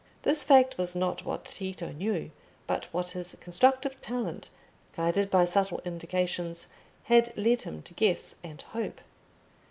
This fact was not what Tito knew, but what his constructive talent, guided by subtle indications, had led him to guess and hope.